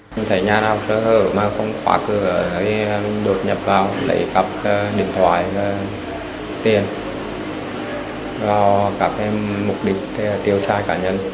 không thể nhà nào sở hữu mà không khóa cửa đột nhập vào lấy cặp điện thoại tiền